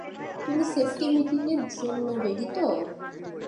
তুমি সেফটি মিটিংয়ের জন্য রেডি তো?